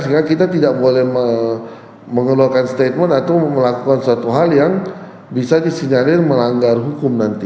sehingga kita tidak boleh mengeluarkan statement atau melakukan suatu hal yang bisa disinyalir melanggar hukum nanti